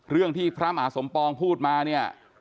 เรื่องที่พระมหาสมปองพูดมาเนี่ย